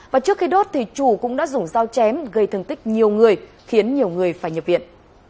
và trước khi đốt thì chủ cũng đã dùng dao chém gây thương tích nhiều người khiến nhiều người phải nhập viện